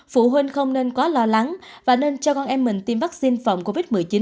phụ huynh không nên quá lo lắng và nên cho con em mình tiêm vaccine phòng covid một mươi chín